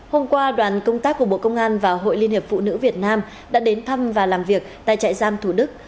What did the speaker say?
hôm qua đoàn công tác của bộ công an và hội liên hiệp phụ nữ việt nam đã đến thăm và làm việc tại trại giam thủ đức